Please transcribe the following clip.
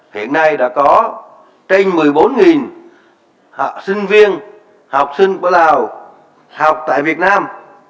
hiện nay đã có trên một mươi bốn học sinh viên học sinh của lào học tại việt nam